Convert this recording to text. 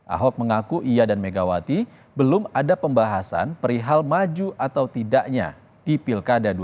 ahok mengaku ia dan megawati belum ada pembahasan perihal maju atau tidaknya di pilkada dua ribu dua puluh